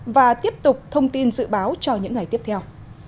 và tiếp tục thông tin dự báo cho những ngày tiếp theo